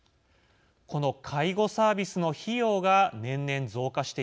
この介護サービスの費用が年々増加しています。